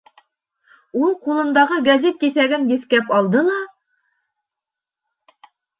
Ул ҡулындағы гәзит киҫәген еҫкәп алды ла: